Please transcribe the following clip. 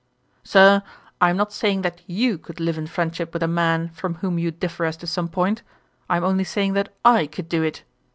'Sir, I am not saying that you could live in friendship with a man from whom you differ as to some point: I am only saying that I could do it.